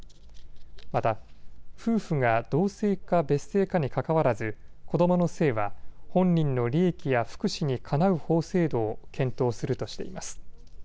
また夫婦が同姓か別姓かにかかわらず子どもの姓は本人の利益や福祉にかなう法制度を検討するとしています。